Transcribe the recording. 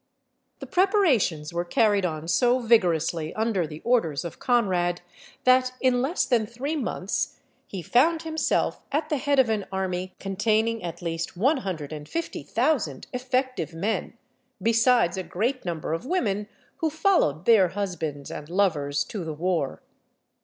The preparations were carried on so vigorously under the orders of Conrad, that in less than three months he found himself at the head of an army containing at least one hundred and fifty thousand effective men, besides a great number of women who followed their husbands and lovers to the war.